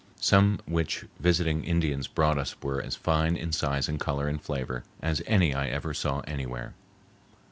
Some which visiting Indians brought us were as fine in size and color and flavor as any I ever saw anywhere.